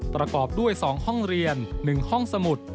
ประกอบด้วย๒ห้องเรียน๑ห้องสมุด